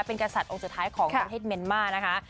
เป็นกษัตริย์องค์สุดท้ายของประเทศเมียนมานะคะ